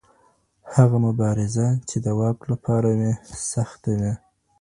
هغه مبارزه چي د واک له پاره وي سخته وي.